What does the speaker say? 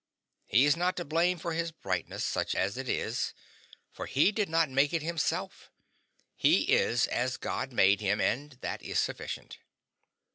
He is not to blame for his brightness, such as it is, for he did not make it himself; he is as God make him, and that is sufficient.